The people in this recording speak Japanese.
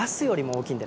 大きい！